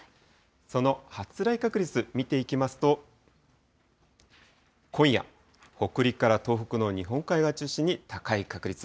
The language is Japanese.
その発雷確率、見ていきますと、今夜、北陸や東北の日本海側を中心に高い確率。